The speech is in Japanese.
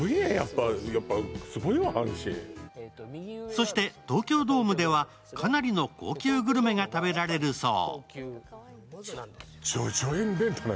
そして東京ドームではかなりの高級グルメが食べられるそう。